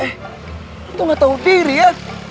eh lu nggak tau diri ya